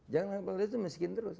janganlah bangladesh miskin terus